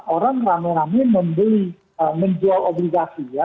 orang rame rame membeli menjual obligasi ya